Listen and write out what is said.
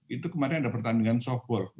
itu kemarin ada pertandingan softball